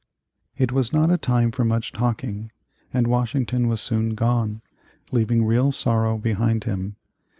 It was not a time for much talking, and Washington was soon gone, leaving real sorrow behind him.